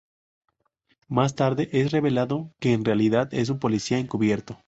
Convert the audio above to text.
Más tarde es revelado que en realidad es un policía encubierto.